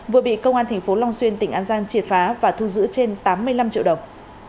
vừa bị công an thành phố long xuyên tỉnh an giang triệt phá và thu giữ trên tám mươi năm triệu đồng